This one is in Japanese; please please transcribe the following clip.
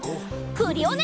クリオネ！